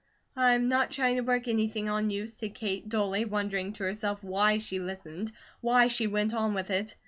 "I am not trying to work anything on you," said Kate, dully, wondering to herself why she listened, why she went on with it.